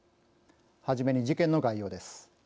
はじめに事件の概要です。